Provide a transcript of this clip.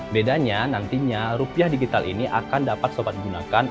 bedanya nantinya rupiah digital ini akan dapat sopan digunakan